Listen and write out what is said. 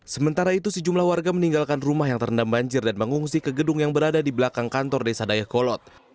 sementara itu sejumlah warga meninggalkan rumah yang terendam banjir dan mengungsi ke gedung yang berada di belakang kantor desa dayakolot